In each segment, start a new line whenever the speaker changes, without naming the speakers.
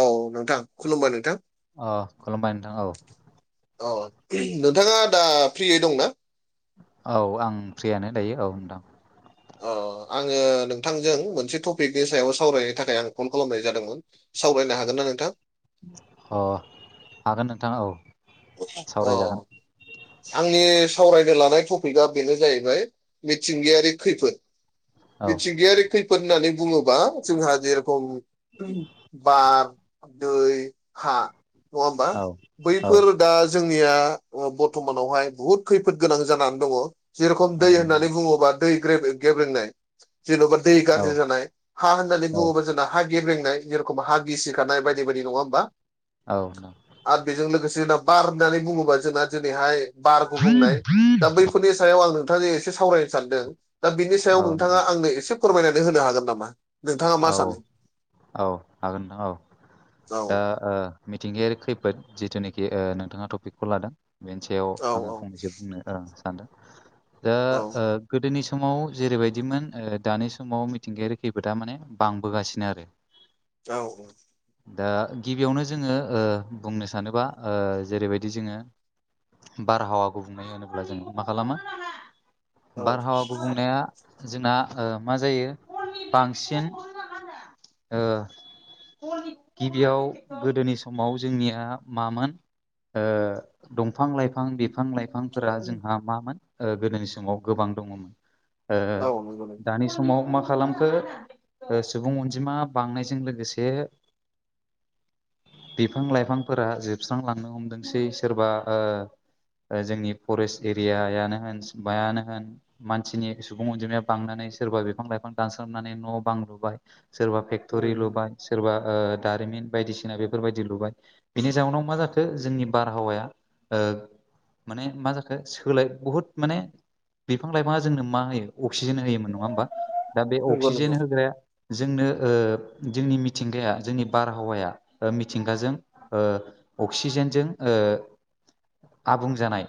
औ नोंथां खुलुमबाय नोंथां।
अ खुलुमबाय नोंथां औ।
औ नोंथाङा दा फ्रियै दंना?
औ आं फ्रियानो दायो औ नोंथां।
अ आङो नोंथांजों मोनसे टपिकनि सायाव सावरायनो थाखाय आं कल खालामनाय जादोंमोन। सावरायनो हागोन ना नोंथां?
अ हागोन नोंथां औ।
अ।
सावरायजागोन
आंनि सावरायनो लानाय टपिकआ बेनो जाहैबाय मिथिंगायारि खैफोद।
औ
मिथिंगायारि खैफोद होन्नानै बुङो ब्ला जोंहा जेरेखम बार दै हा नङा होमबा
औ
बै
औ
दा जोंनिया अ बर्थ'मानावहाय बुहुद खैफोद गोनां जानानै दङ। जेरखम
औ
दै होननानै
नोंथां।
बुङोबा दै ग्रे ग्रेबेंनाय जन'बा दै
औ
गाज्रि जानाय हा होननानै
औ
बुङोबा जोंना हा गेब्रेंनाय जेरखम हा गिसिखानाय बायदि बायदि नङा होमबा?
औ नं
आरो बेजों लोगोसे लोबा होननानै बुङोबा जोंना दिनैहाय बार गुबुंनाय दा बै फोरनि सायाव आं नोंथांजों एसे सावरायनो सानदों दा बिनि सायाव
औ नोंथां
नोंथाङा आंनो एसे फोरमायनानै होनो हागोन नामा? नोंथाङा मा
औ
सानो
औ हागोन नोंथां औ
औ
दा ओ मिथिंगायारि खैफोद जिथुनोखि ओ नोंथाङा टपिकखौ लादों। बेनि सायाव
औ
आङो
औ
फंनैसो बुंनो ओ सानदों दा
औ
ओ गोदोनि समाव जेरैबायदिमोन ओ दानि समाव मिथिंगायारि खै फोदा माने बांबोगासिनो आरो।
औ औ।
दा गिबियावनो जोङो ओ बुंनो सानोबा ओ जेरैबायदि जोङो बारहावा गुबुंनाय होनोब्ला जों मा खालामो?
औ
बारहावा गुबुंनाया जोंना ओ मा जायो? बांसिन ओ। गिबियाव गोदोनि समाव जोंनिया मामोन? ओ दंफां लाइफां बिफां लाइफां फोरा जोंहा मामोन गोदोनि समाव गोबां दङ'मोन। ओ
औ
दानि समाव मा खालामखो ओ सुबुं अनजिमा बांनायजों लोगोसे बिफां लाइफांफोरा जोबस्रांलांनो हमदोंसै सोरबा ओ ओ जोंनि एरियानो होन मायानो होन। मानसिनि सुबुं अनजिमाया बांनानै सोरबा बिफां लाइफां दानस्रां नानै न' बां लुबाय सोरबा फेक्ट'रि लुबाय। सोरबा ओ दारिमिन बायदिसिना बेफोरबायदि लुबाय। बिनि जाहोनाव मा जाखो जोंनि बारहावाया ओ माने मा जाखो सोलाय बुहुद माने बिफां लाइफाङा जोंनो मा होयो अक्सिजेन होयोमोन नङा होमबा दा बे
नंगौ नंगौ
अक्सिजेन होग्राया जोंनो ओ जोंनि मिथिंगाया जोंनि बारहावाया ओ मिथिंगाजों ओ अक्सिजेनजों आबुं जानाय।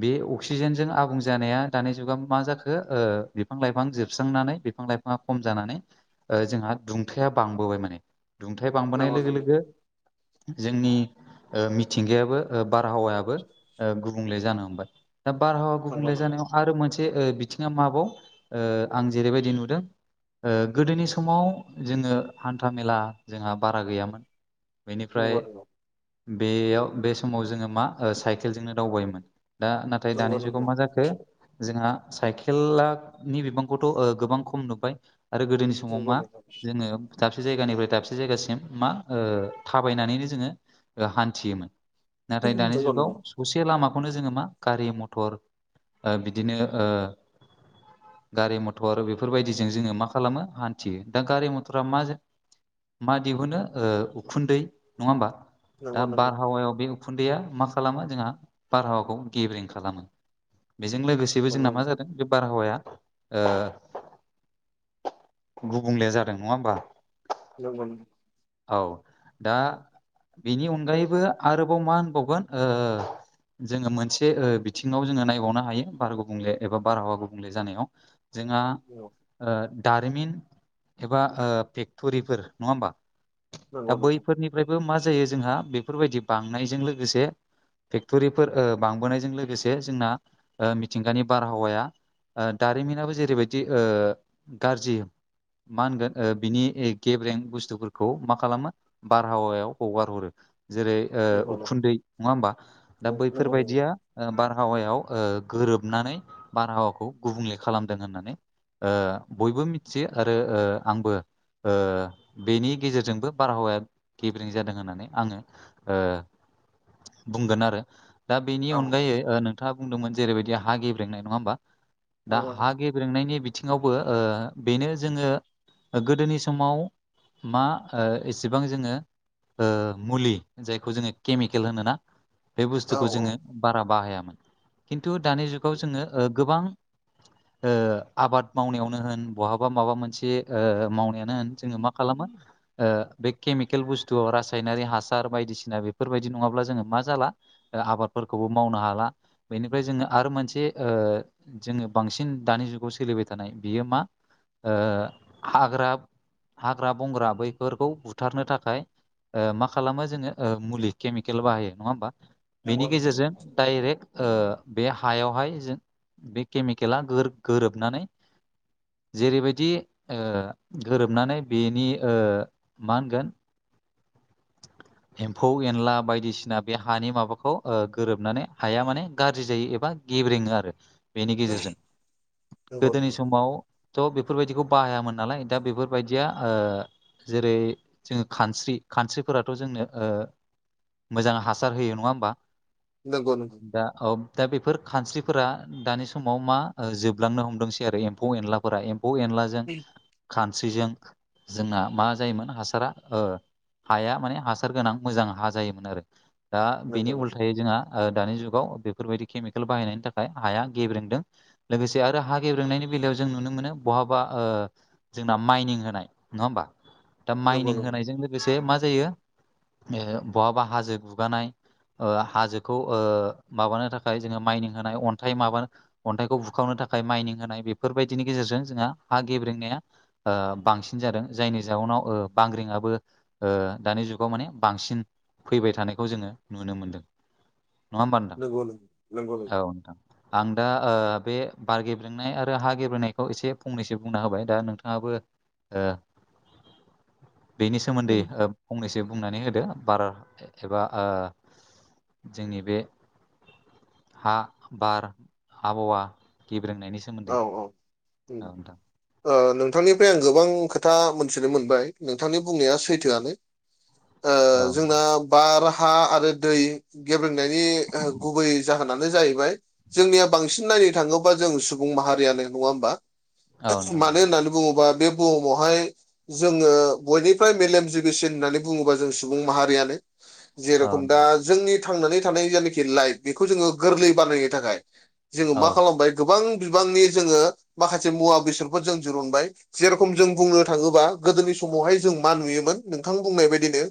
बे अक्सिजेनजों आबुं जानाया दानि जुगाव जाखो ओ बिफां लाइफां जोबस्रांनानै बि फां लाइफाङा खम जानानै जोंहा दुंथाया बांबोबाय माने। दुंथाय बांबोनाय
नंगौ
लोगो
नंगौ
लोगो जोंनि ओ मिथिंगायाबो बारहावायाबो ओ‌ गुबुंले जानो हमबाय। दा बारहावा
नंगौ
गुबुंले जानायाव आरो मोनसे ओ‌ बिथिङा माबाव ओ‌ आं जेरैबायदि नुदों ओ‌ गोदोनि समाव जोङो हान्था मेला जोंहा बारा गैयामोन।
नंगौ
बेनिफ्राय
नंगौ
बेयाव बे समाव जोङो मा ओ‌ साइकेलजोंनो दावबायोमोन दा नाथ थाय
नंगौ नंगौ
दानि जुगाव मा जाखो जोंहा साइकेलानि बिबांखौथ ओ‌ गोबां खम नुबाय आरो गोदोनि समाव
नंगौ नंगौ
मा जोङो दाबसे जायगानिफ्राय दाबसे जायगासिम मा ओ‌ थाबायनानैनो जोङो हान्थियोमोन नाथाय दानि
नंगौ
जुगाव
नंगौ
दसे लामाखौनो जोङो मा गारि मथर ओ बिदिनो ओ गारि मथर बेफोरबायदिजों जोङो मा खालामो हान्थियो दा गारि मथरा मा मा दिहुनो ओ‌ उखुन्दै नङा होमबा दा
नंगौ नंगौ
बारहावायाव बे उखुन्दैआ मा खालामा जोंहख बारहावाखौ गेब्रें खालामो लोगोसे बेबो जोंना
नंगौ
मा जादों बे बारहावाया ओ गुबुंले जादों नङा होमबा
नोंगौ।
औ दा। बिनि अनगायैबो आरोबाव मा होनबावगोन ओ जोङो मोनसे ओ बिथिङाव जोङो नायबावनो हायो बार गुबुंले एबा गुबुंले जानायाव जोंहा
औ।
ओ दारिमिन एबा ओ फेक्टरिफोर नङा होमबा दा
नंगौ नोंथां
बैफोरनिफ्रायबो मा जायो जोंहा बेफोरबायदि बांनायजों लोगोसे फेक्टरिफोर ओ‌ बांबोनायजों लोगोसे जोंना ओ मिथिंगानि बारहावाया ओ‌ दारिमिनाबो जेरैबायदि ओ गाज्रि मा होनगोन ओ बिनि गेब्रें बुस्थुफोरखौ मा खालामो बारहावायाव हगार हरो जेरै ओ
नंगौ
उखुन्दै नङा होमबा दा
नंगौ नंगौ
बैफोरबायदिया ओ‌ बारहावायाव ओ‌ गोरोबनानै बारहावाखौ गुबुंले खालामदों होननानै ओ‌ बयबो मिथियो आरो ओ आंबो ओ‌ बेनि गेजेरजोंबो बारहावाया गेब्रें जादों होननानै आङो ओ‌ बुंगोन आरो दा बेनि
नंगौ औ
अनगायै ओ नोंथाङा बुंदोंमोन जेरैबायदि हा गेब्रेंनाय नङा होमबा दा
नंगौ
हा गेब गेब्रेंनायनि बिथिङावबो ओ बेनो जोङो गोदोनि समाव मा ओ‌ एसेबां जोङो ओ‌ मुलि जायखौ जोङो केमिकेल होनोना बे
औ
बुस्थुखौ
औ
जोङो बारा बाहायामोन खिन्थु दानि जुगाव जोङो ओ गोबां ओ आबाद मावनायावनो होन बहाबा माबा मोनसे मावनायानो होन जोङो मा खालामो ओ‌ बे केमिकेल बुस्थुआव रासायनारि हासार बायदिसिना बेफोरबायदि नङाब्ला जोङो मा जाला आबादफोरखौबो मावनो हाला बेनिफ्राय जोङो आरो मोनसे ओ‌ जोङो बांसिन दानि जुगावसो सोलिबाय थानाय बियो मा ओ‌ हाग्रा हाग्रा बंग्रा बैफोरखौ बुथारनो थाखाय ओ‌ मा खालामो जोङो ओ‌ मुलि केमिकेल बाहायो नङा होमबा
नंगौ
बेनि
नंगौ
गेजेरजों डाइरेक्ट ओ बे हायावहाय जों बे केमिकेला गोर गोरोब नानै जेरैबायदि ओ गोरोबनानै बेनि ओ मा होनगोन एम्फौ एनला बायदिसिना बे हानि माबाखौ ओ गोरोबनानै हाया माने गाज्रि जायो एबा गेब्रेंङो आरो बेनि गेजेरजों
नंगौ
गोदोनि समाव थ' बेफोरबायदिखौ बाहायामोन नालाय दा बेफोरबायदिया ओ जेरै जोङो खानस्रि खानस्रिफोराथ' जोंनो ओ मोजां हासार होयो नङा होमबा
नंगौ नंगौ
दा औ दा बेफोर खानस्रिफोरा दानि समाव मा ओ जोबलांनो हमदोंसै आरो एम्फौ एनलाफोरा एम्फौ एनला जों खानस्रिजों जोंना मा जायोमोन हासारा ओ हाया माने हासार गोनां मोजां हा जायोमोन आरो दा बेनि
नंगौ नंगौ
उल्थायै जोंहा ओ दानि जुगाव बेफोरबायदि केमिकेल बाहायनायनि थाखाय हाया गेब्रेंदों लोगोसे आरो हा गेब्रेंनायनि बेलायाव जों नुनो मोनो बहाबा ओ जोंना माइनिं होनाय नङा होमबा दा
नंगौ
माइनिं
नंगौ
होनायजों लोगोसे मा जायो बहाबा हाजो गुगानाय ओ हाजोखौ ओ माबानो थाखाय जोङो माइनिं होनाय अन्थाइ माबानो अन्थाइखौ बुखावनो थाखाय माइनिं होनाय बेफोरबायदिनि गेजेरजों जोंहा हा गेब्रेंनाया ओ बांसिन जादों जायनि जाउनाव ओ बांग्रिङाबो ओ दानि जुगाव माने बांसिन फैबाय थानायखौ जोङो नुनो मोनदों नङा होनबा नोंथां?
नंगौ नंगौ
औ नोंथां। आं दा ओ बे बार गेब्रेंनाय आरो हा गेब्रेनायखौ एसे फंनैसो बुंना होबाय दा नोंथाङाबो ओ बेनि सोमोन्दै
नंगौ
फंनैसो बुंनानै होदो बारा एबा ओ जोंनि बे हा बार आबहावा गेब्रेंनायनि सोमोन्दै।
उम।
औ नोंथां
ओ नोंथांनिफ्राय आं गोबां खोथा मोनथिनो मोनबाय नोंथांनि बुंनाया सैथोआनो। ओ जोंना बार हा आरो दै गेब्रेंनायनि गुबै जाहोनानो जाहैबाय जोंनिया बांसिन नायनो थाङोबा जों सु बुं माहारियानो नङा होमबा
औ
मानो होननानै बुङोबा बे बुहुमावहाय जोङो बयनिफ्राय मेलेमजिबिसिन होननानै बुङोबा जों सुबुं माहारियानो।
औ
जेरखम दा
नोंथां
जोंनि थांनानै थानाय जायनाखि लाइफ बेखौ जोङो गोरलै बानायनो थाखाय जोङो
औ
मा खालामबाय गोबां बिबांनि जोङो माखासे मुवा बेसादफोर जों दिरुनबाय। जेरखम जों बुंनो थाङोबा गोदोनि समावहाय जों मा नुयोमोन नोंथां बुंनाय‌ बादिनो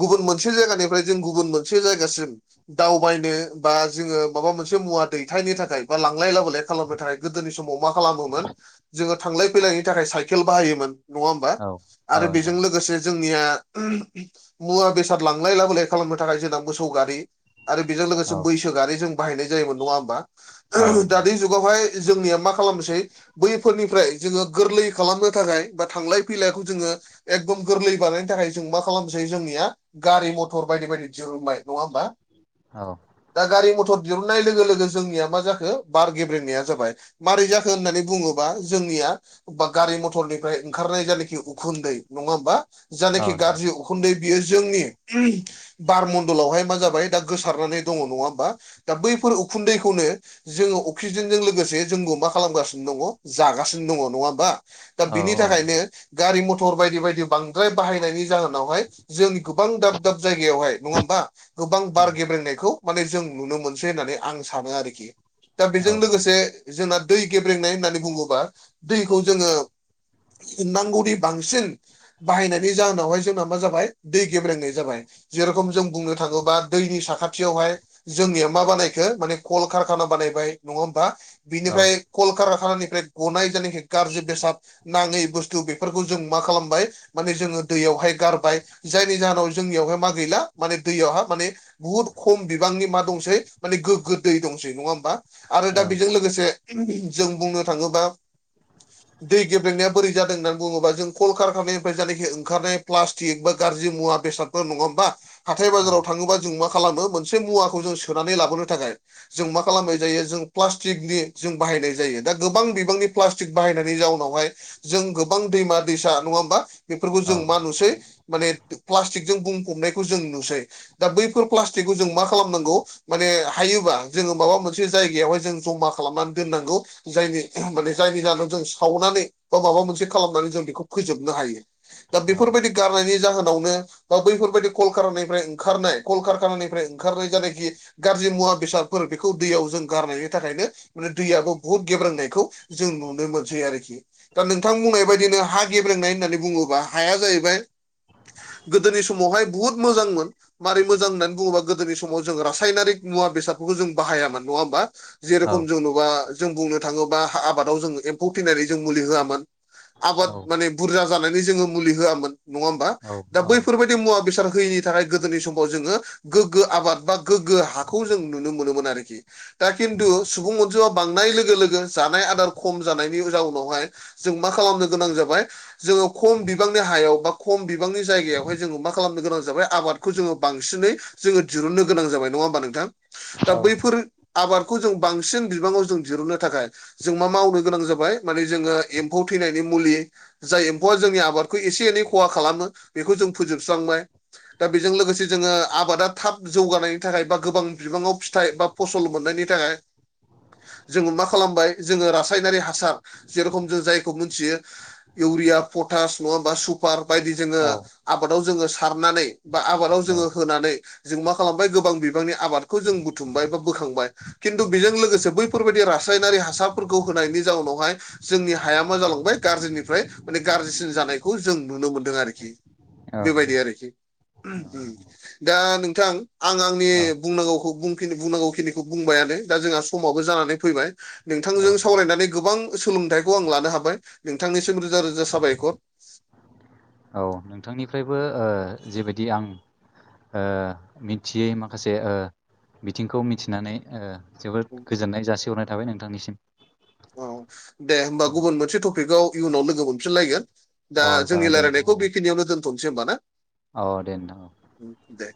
गुबुन मोनसे जायगानिफ्राय जों गुबुन मोनसे जायगासिम दावबायनो बा जोङो माबा मोनसे मुवा दैथायनो थाखाय बा लां लाय लाबोलाय खालामनो थाखाय गोदोनि समाव मा खालामोमोन जोङो थांलाय फैलायनि थाखाय साइकेल बाहायोमोन। नङा होमबा
औ
आरो बेजों
नोंथां
लोगोसे जोंनिया मुवा बेसाद लांलाय लाबोलाय खालामनो थाखाय जोंना मोसौ गारि आरो बेजों लोगोसे
औ
मैसो गारि जों बाहायनाय जायोमोन नङा होमबा?
औ नोंथां
दानि जुगावहाय जोंनिया मा खालामसै बैफोरनिफ्राय जोङो गोरलै खालामनो थाखाय बा थांलाय फैलायखौ जोङो एकदम गोरलै बानायनो थाखाय जों मा खालामनोसै जोंनिया गारि मथर बायदि बायदि दिरुनबाय नङा होमबा?
औ।
दा गारि मथर दिहुननाय लोगो लोगो जोंनिया मा जाखो बार गेब्रेनाया जाबाय माबारै जाखो होननानै बुङोबा जोंनिया बा गारि मथरनिफ्राय ओंखारनाय जानाखि उखुन्दै नङा होमबा
औ
जायनाखि
नोंथां
गाज्रि उखुन्दै बियो जोंनि बार मन्दलावहाय मा जाबाय दा गोसारनानै दङ नङा होमबा दा बैफोर उखुन्दैखौनो जोङो अक्सिजेनजों लोगोसे जोंङो मा खालामगासिनो दङ जागासिनो दङ नङा होमबा? दा
औ
बिनि
औ
थाखायनो गारि मथर बायदि बायदि बांद्राय बाहायनायनि जाहोनावहाय जों गोबां दाब दाब जायगायावहाय नङा होमबा गोबां बार गेब्रेंनायखौ माने जों नुनो मोनसै होननानै आं सानो आरोखि दा बेजों
नोंथां।
लोगोसे जोंना दै गेब्रेंनाय होननानै बुङोबा दैखौ जोङो नांगौनि बांसिन बाहायनायनि जाहोनावहाय जोंना मा जाबाय दै गेब्रेंनाय जाबाय। जेरेखम जों बुंनो थाङोबा दैनि साखाथियावहाय जोंनिया मा बानायखो माने कल काना बानायबाय नङा होमबा
औ
बिनिफ्राय कलकारा खानानिफ्राय गनाय जायनाखि गाज्रि बेसाद नाङै बुस्थु बेफोरखौ जों मा खालामबाय माने जोङो दैयावहाय गारबाय। जायनि जाहोनाव जोंनियावहाय मा गैला माने दैयावहा माने‌ बुहुद खम बिबांनि मा दंसै माने गोग्गो दै दंसै नङा होमबा आरो दा बेजों लोगोसे जों बुंनो थाङोबा दै गेब्रेंनाया बोरै जादों होननानै बुङोबा जों कल खारखनायनिफ्राय जानाय ओंखारनाय प्लास्टिक बा गाज्रि मुवा बेसाद नङा होमबा। हाथाय
औ
बाजाराव थाङोबा जों मा खालामो मोनसे मुवाखौ जों सोनानै लाबोनो थाखाय जों मा खालामनाय जायो जों प्लास्टिकनि जों बाहायनाय जायो। दा गोबां बिबांनि प्लास्टिक बाहायनायनि जाउनावहाय जों गोबां दैमा दैसा नङा होमबा बेफोरखौ
औ
जों मा नुसै माने प्लास्टिकजों बुंफबनायखौ जों नुसै। दा बैफोर प्लास्टिकखौ जों मा खालामनांगौ माने हायोबा जोङो माबा मोनसे जायगायावहाय जों जमा खालामनानै दोननांगौ। जायनि माने जायनि जाहोनाव जों सावनानै बा माबा मोनसे खालामनानै जों बेखौ फोजोबनो हायो दा
औ
बेफोरबायदि गारनायनि जाहोनावनो बा बैफोरबायदि कलखानानिफ्राय ओंखारनाय कलकारखानानिफ्राय ओंखारनाय जायखि गाज्रि मुवा बेसाद फोर बेखौ दैयाव जों गारनायनि थाखायनो माने दैयाबो बुहुत गेब्रानायखौ जों नुनो मोनसै आरोखि। दा नोंथां बुंनाय बायदिनो हा गेब्रेंनाय होननानै बुङोबा हाया जाहैबाय गोदोनि समावहाय बुहुद मोजांमोन। मारै मोजां होननानै बुङोबा गोदोनि समाव जों रासायनारिक मुवा बेसाद जों बाहायामोन नङा होमबा जेरखम जों जोंबुंनो थाङोबा आबादाव जोङो एम्फौ थैनायनि जों मुलि होआमोन आबाद माने बुरजा जानानै जोङो मुलि होआमोन नङा होमबा दा बैफोरबायाददि मुवा बेसाद होयैनि नि थाखाय गोदोनि समाव जोङो गोग्गो आबाद बा गोग्गो हाखौ जों नुनो मोनोमोन आरोखि। दा खिन्थु सुबुं अनजिमा बांनाय लोगो लोगो जानाय आदार खम जानायनि जाउनावहाय जों मा खालामनो गोनां जाबाय जोङो खम बिबांनि हायाव बा खम बिबांनि जायगायावहाय जोङो मा खालामनो गोनां जाबाय आबाद खौ जोङो बांसिनै जोङो दिरुननो गोनां जाबाय नङा होमबा नोंथां? दा बैफोरो आबादखौ जों बांसिन बिबाङाव जों दिहुननो थाखाय जों मा मावनो गोनां जाबाय माने जोङो एम्फौ थैनायनि मुलि जाय एम्फौआ जोंनि आबादखौ एसे एनै खहा खालामो बेखौ जों फोजोबस्रांबाय। दा बेजों लोगोसे जोङो आबादा थाब जौगानायनि थाखाय बा गोबां बिबाङाव फिथाइ बा फसल मोननायनि थाखाय जोङो मा खालामबाय जोङो रासायनारि हासार जेरखम जोङो जायखौ‌ मिथियो इउरिया पटास नङाबा सु बार बायदि जोङो आबादाव जोङो सारनानै बा आबादाव जोङो होनानै जों मा खालामबाय गोबां बिबांनि आबाद बेखौ जों बुथुमबाय बा बोखांबाय। खिन्थु बेजों लोगोसे बैफोरबायदि रासायनारि हासारफोरखौ होनायनि जाउनावहाय जोंनि हाया मा जालांबाय गाज्रिनिफ्राय माने गाज्रिसिन जानायखौ जों नुनो मोनदों आरोखि।
औ
बेबायदि आरोखि दा नोंथां आं आंनि
औ
बुंनांगौ बुंनांगौ खिनिखौ बुंबायानो दा जोंहा समाबो जानानै फैबाय
औ
नोंथांजों सावरायनानै गोबां सोलोंथाइखौ आं लानो हाबाय। नोंथांनिसिम रोजा रोजा साबायखर।
औ नोंथांनिफ्रायबो ओ जेबायदि आं ओ मिथियै माखासे ओ बिथिंखौ मिथिनानै ओ जोबोद
औ
गोजोननाय जासिहरनाय थाबाय नोंथांनिसिम।
दे होमबा गुबुन मोनसे टपिकआव इयुनाव लोगो मोनफिनलायगोन।
अ
दा
जागोन
जोंनि
दे
रायलायनायखौ
नोंथां
बेखिनियावनो दोनथ'नोसै होमबाना?
औ दे नोंथां औ।
दे।